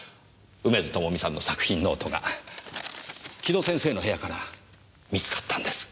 梅津朋美さんの作品ノートが城戸先生の部屋から見つかったんです！